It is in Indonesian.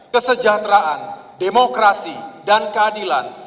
kesejahteraan demokrasi dan keadilan